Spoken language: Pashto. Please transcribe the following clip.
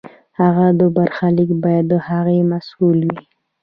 د هغه برخلیک باید د هغه محصول وي.